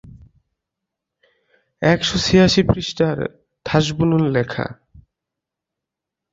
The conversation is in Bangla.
এক শ ছিয়াশি পৃষ্ঠার ঠাসবুনোন লেখা।